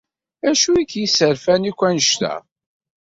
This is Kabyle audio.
D acu i k-yesserfan akk annect-a?